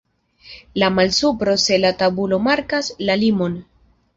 La malsupro se la tabulo markas la limon.